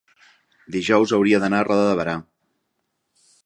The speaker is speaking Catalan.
dijous hauria d'anar a Roda de Berà.